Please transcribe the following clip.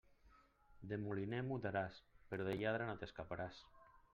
De moliner mudaràs, però de lladre no t'escaparàs.